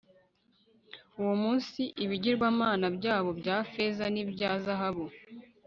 uwo munsi ibigirwamana byabo bya feza n'ibya zahabu